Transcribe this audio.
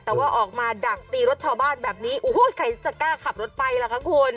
แต่ว่าออกมาดักตีรถชาวบ้านแบบนี้โอ้โหใครจะกล้าขับรถไปล่ะคะคุณ